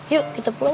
yuk kita pulang yuk